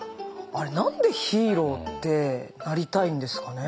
あれ何でヒーローってなりたいんですかね。